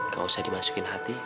gak usah dimasukin hati